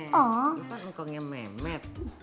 lo kan engkongnya memet